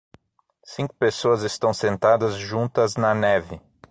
Cinco pessoas estão sentadas juntas na neve.